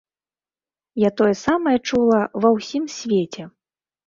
Я тое самае чула ва ўсім свеце.